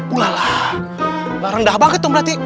iya lah barang dah banget tuh berarti